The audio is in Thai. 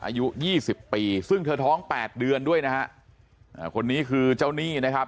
อายุยี่สิบปีซึ่งเธอท้องแปดเดือนด้วยนะฮะคนนี้คือเจ้าหนี้นะครับ